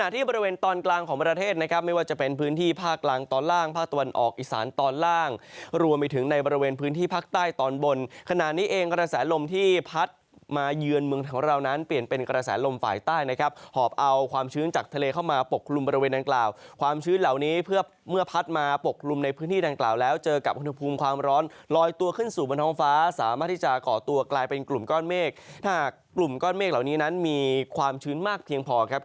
ตอนล่างพระตวนออกอีสานตอนล่างรวมไปถึงในบริเวณพื้นที่ภาคใต้ตอนบน